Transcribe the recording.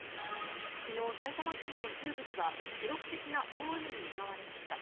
昨日、埼玉県の中部では記録的な大雨に見舞われました。